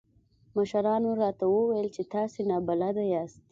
مشرانو راته وويل چې تاسې نابلده ياست.